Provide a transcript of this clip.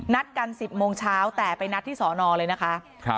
นัดกัน๑๐โมงเช้าแต่ไปนัดที่สอนอเลยนะคะ